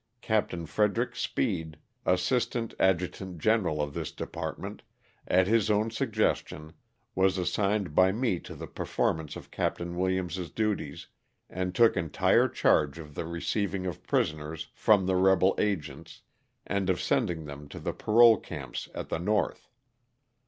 Captain Frederick Speed, assistant adjutant general of this department, at his own suggestion, was assigned by me to the performance of Captain Williams' duties, and took entire charge of the receiving of prisoners from the rebel agents and of sending them to the parole camps at the north.